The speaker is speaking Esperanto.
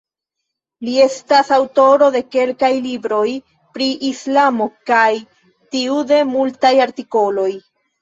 Li estas aŭtoro de kelkaj libroj pri islamo kaj tiu de multaj artikoloj.